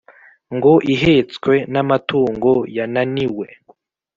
ngiyo ihetswe n’amatungo yananiwe.